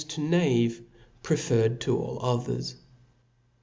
to have preferred to all others.